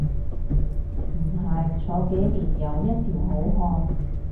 唔係，坐幾年又一條好漢